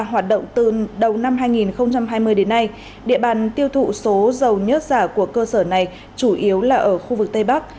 hoạt động từ đầu năm hai nghìn hai mươi đến nay địa bàn tiêu thụ số dầu nhớt giả của cơ sở này chủ yếu là ở khu vực tây bắc